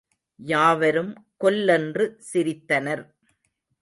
யாவரும் கொல்லென்று சிரித்தனர்.